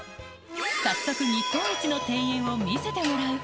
早速、日本一の庭園を見せてもら